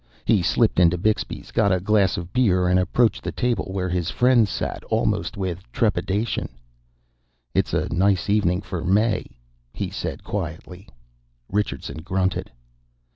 He slipped into Bixby's, got a glass of beer, and approached the table where his friends sat, almost with trepidation. "It's a nice evening for May," he said quietly. Richardson grunted.